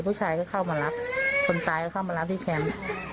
ผู้ชายก็เข้ามารับคนตายก็เข้ามารับที่แคมป์